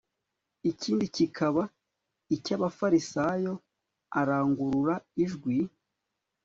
ikindi kikaba icy abafarisayo arangurura ijwi